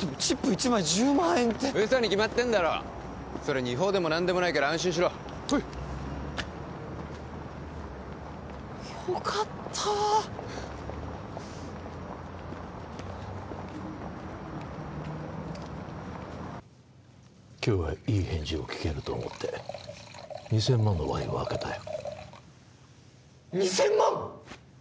でもチップ１枚１０万円って嘘に決まってんだろそれに違法でも何でもないから安心しろほいっよかった今日はいい返事を聞けると思って２０００万のワインを開けたよ２０００万！？